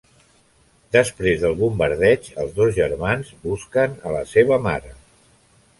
Després del bombardeig els dos germans busquen a la seva mare.